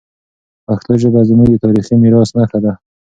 پښتو ژبه زموږ د تاریخي میراث نښه ده.